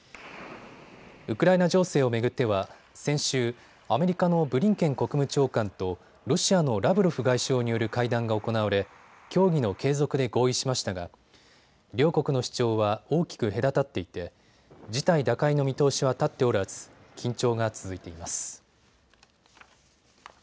ウクライナ情勢を巡っては先週アメリカのブリンケン国務長官とロシアのラブロフ外相による会談が行われ協議の継続で合意しましたが両国の主張は大きく隔たっていて事態打開の見通しは立っておらず緊張が続いています。